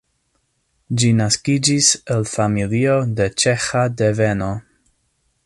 Ĝi naskiĝis el familio de ĉeĥa deveno.